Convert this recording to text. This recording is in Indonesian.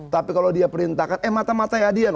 tapi kalau dia perintahkan eh mata matanya adian